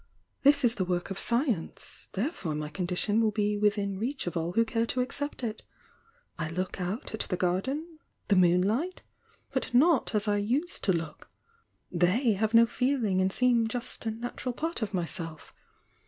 Tliis is the wo« of science — therefore my condition will be within reach of all who care to accept it I look out at the gsrden, — the moonlight,— but not as I used to look. They have no feeling, and seem just a natural part of myself.